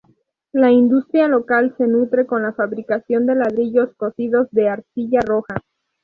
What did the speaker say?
La industria local se nutre con la fabricación de ladrillos cocidos de arcilla roja.